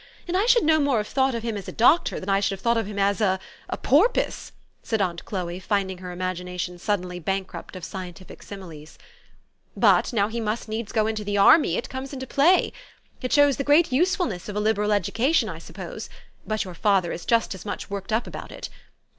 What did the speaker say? And I should no more have thought of him as a doctor than I should think of him as a por poise," said aunt Chloe, finding her imagination sud THE STORY OF AVIS. 135 denly bankrupt of scientific similes. u But, now lie must needs go into the army, it comes into play. It shows the great usefulness of a liberal education, I suppose ; but your father is just as much worked up about it.